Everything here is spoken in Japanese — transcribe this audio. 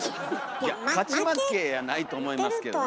いや勝ち負けやないと思いますけどね。